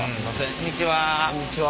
こんにちは。